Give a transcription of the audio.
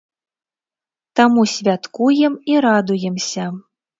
Таму святкуем і радуемся.